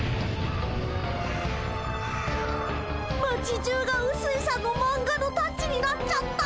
町じゅうがうすいさんのマンガのタッチになっちゃった。